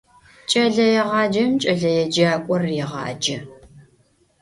Кӏэлэегъаджэм кӏэлэеджакӏор регъаджэ.